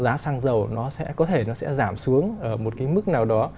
giá sáng dầu nó sẽ có thể giảm xuống ở một cái mức nào đó